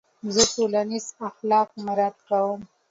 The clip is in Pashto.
زه ټولنیز اخلاق مراعت کوم.